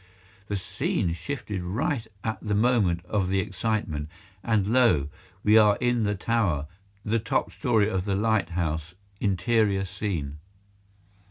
The scene shifted right at the moment of the excitement, and lo! we are in the tower, the top story of the lighthouse, interior scene.